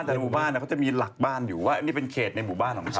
แต่หมู่บ้านเขาจะมีหลักบ้านอยู่ว่านี่เป็นเขตในหมู่บ้านของเขา